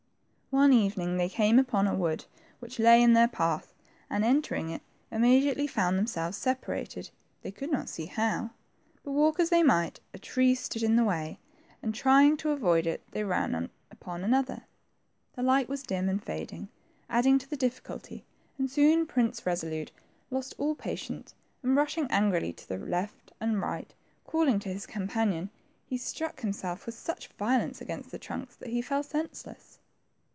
One evening they came upon a wOod which lay in their path, and, entering it, immediately found them selves separated, they could not see how. But walk as they might, a tree stood in the way, and trying to 82 THE TWO PRINCES. avoid it, they ran npon another. The light was dim and fading, adding to the difidculty, and soon Prince Kesolnte lost all patience, and rushing angrily to the right and left, calling to his companion, he struck nimself with such violence against the trunks that he fell senseless.